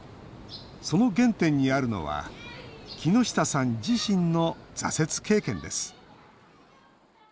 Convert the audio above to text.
その原点にあるのは木下さん自身の挫折経験です。